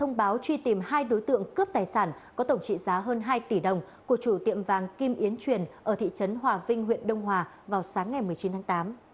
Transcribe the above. công báo truy tìm hai đối tượng cướp tài sản có tổng trị giá hơn hai tỷ đồng của chủ tiệm vàng kim yến truyền ở thị trấn hòa vinh huyện đông hòa vào sáng ngày một mươi chín tháng tám